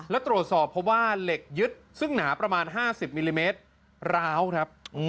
และตรวจสอบเพราะว่าเหล็กยึดซึ่งหนาประมาณ๕๐มิลลิเมตรร้าวครับ